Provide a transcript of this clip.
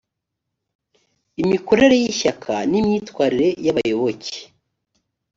imikorere y’ishyaka n’imyitwarire y’abayoboke